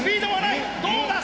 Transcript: どうだ！